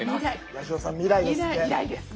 八代さん未来ですよ。